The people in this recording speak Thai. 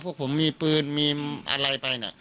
ทุกคนที่บอกว่า